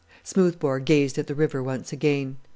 Smoothbore gazed at the river once again.